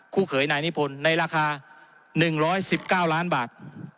เขยนายนิพนธ์ในราคา๑๑๙ล้านบาท